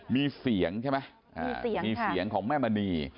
มีเสียงของแม่มณี